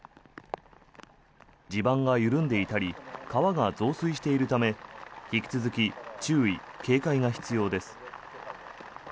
地盤が緩んでいたり川が増水しているため引き続き注意・警戒が必要です。